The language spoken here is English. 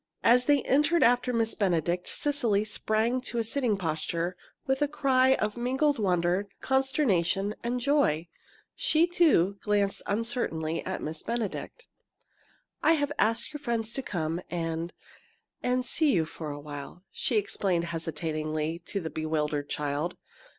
As they entered after Miss Benedict Cecily sprang to a sitting posture, with a cry of mingled wonder, consternation, and joy. She, too, glanced uncertainly at Miss Benedict. "I have asked your friends to come and and see you for a while," she explained hesitatingly to the bewildered child.